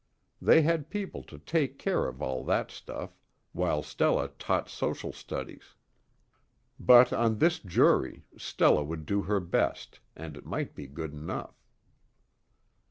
They had people to take care of all that stuff while Stella taught social studies. But on this jury Stella would do her best, and it might be good enough.